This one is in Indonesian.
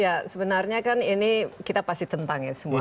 ya sebenarnya kan ini kita pasti tentang ya semua